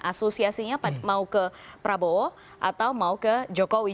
asosiasinya mau ke prabowo atau mau ke jokowi